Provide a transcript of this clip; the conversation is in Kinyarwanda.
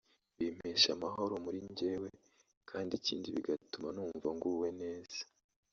Bimpesha amahoro muri njyewe kandi ikindi bigatuma numva nguwe neza